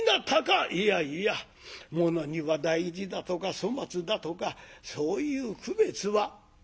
「いやいや物には大事だとか粗末だとかそういう区別は」。